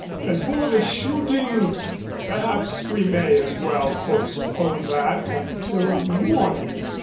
As for the shooting, perhaps we may as well postpone that until morning."